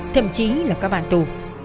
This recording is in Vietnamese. thậm chí là các bạn tù